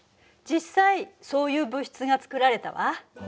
実際そういう物質が作られたわ。